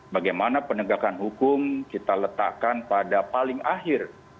bagaimana penegakan hukum kita letakkan pada paling akhir